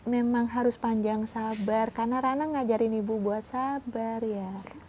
memang harus panjang sabar karena rana ngajarin ibu buat sabar ya